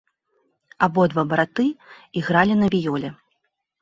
Абодва браты ігралі на віёле.